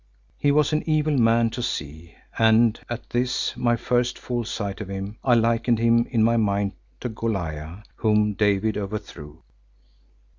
He was an evil man to see and at this, my first full sight of him, I likened him in my mind to Goliath whom David overthrew.